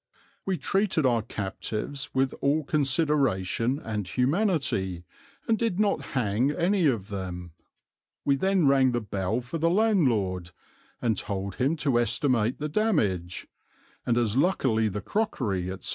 We treated our captives with all consideration and humanity, and did not hang any of them. We then rang the bell for the landlord, and told him to estimate the damage, and as luckily the crockery, etc.